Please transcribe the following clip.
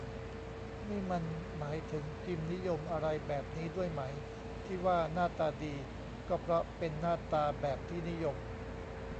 นี่มันหมายถึง "พิมพ์นิยม" อะไรแบบนี้ด้วยไหม ที่ว่า หน้าตา'ดี' ก็เพราะเป็นหน้าตา'แบบที่นิยม'